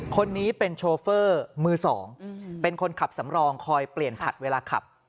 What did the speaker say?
คนนี้เป็นโชเฟอร์มือสองเป็นคนขับสำรองคอยเปลี่ยนผัดเวลาขับ